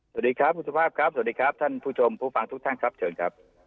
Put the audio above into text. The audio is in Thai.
สวัสดีครับคุณสุภาพครับสวัสดีครับท่านผู้ชมผู้ฟังทุกท่านครับเชิญครับ